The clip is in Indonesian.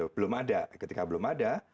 belum ada ketika belum ada